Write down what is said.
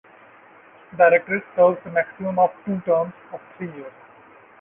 Directors serve a maximum of two terms of three years.